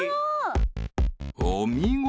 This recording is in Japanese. ［お見事！